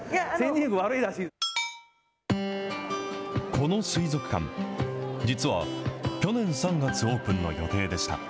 この水族館、実は、去年３月オープンの予定でした。